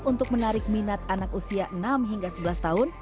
untuk menarik minat anak usia enam hingga sebelas tahun